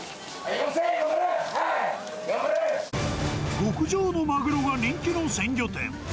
特上のマグロが人気の鮮魚店。